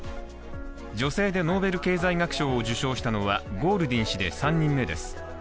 女性でノーベル経済学賞を受賞したのは、ゴールディン氏で３人目です。